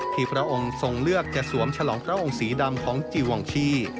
พระองค์ทรงเลือกจะสวมฉลองพระองค์สีดำของจีวองชี